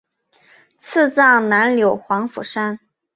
赐葬南柳黄府山。